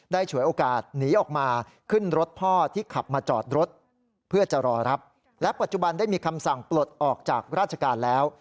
ได้มีคำสั่งปลดออกจากราชการแล้ว